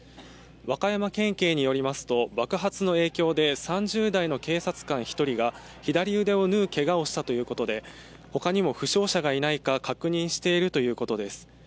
和歌山県警によりますと、爆発の影響で３０代の警察官１人が左腕を縫うけがをしたということで、他にも負傷者がいないか確認しているということです。